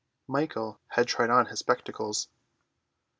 Michael had tried on his spectacles.